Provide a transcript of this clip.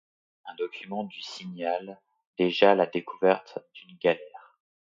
Un document du signale déjà la découverte d'une galère.